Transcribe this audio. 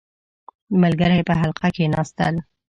• ملګري په حلقه کښېناستل.